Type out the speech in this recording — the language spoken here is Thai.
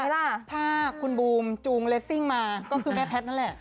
แล้วก็คือแม่แพทย์นั่นแหละ